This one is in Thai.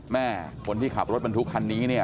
แม่คนที่ขับรถบรรทุกคันนี้เนี่ย